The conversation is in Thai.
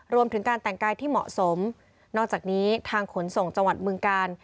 รวมถึงการแต่งกายที่เหมาะสมนอกจากนี้ทางขนส่งจังหวัดบึงกาล